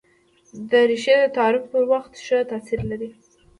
دریشي د تعارف پر وخت ښه تاثیر لري.